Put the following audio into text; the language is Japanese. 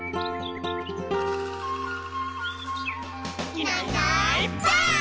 「いないいないばあっ！」